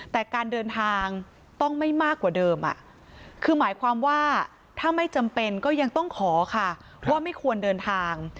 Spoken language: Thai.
แต่การเดินทางต้องไม่มากกว่าเดิมคือหมายความว่าถ้าไม่จำเป็นก็ยังต้องขอค่ะว่าไม่ควรเดินทาง